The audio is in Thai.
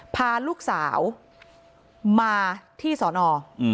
พาลูกสาวมาที่สอนอ